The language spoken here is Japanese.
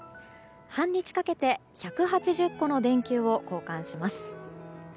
半日かけて１８０個の電球を交換します。